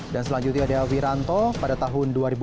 dan selanjutnya ada wiranto pada tahun dua ribu empat